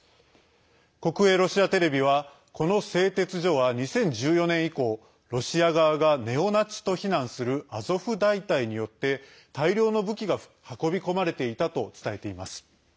国営ロシアテレビはこの製鉄所は２０１４年以降ロシア側がネオナチと非難するアゾフ大隊によって大量の武器が運び込まれていたと伝えています。